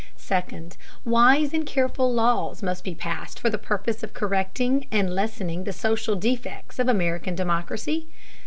Second, wise and careful laws must be passed for the purpose of correcting and lessening the social defects of American democracy.